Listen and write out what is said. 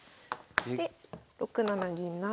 で６七銀不成。